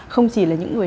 không chỉ là những người